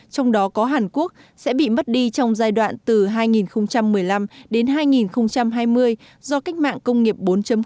trong đó có hàn quốc sẽ bị mất đi trong giai đoạn từ hai nghìn một mươi năm đến hai nghìn hai mươi do cách mạng công nghiệp bốn